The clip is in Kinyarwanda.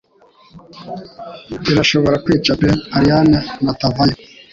Irashobora kwica pe Allayne natavayo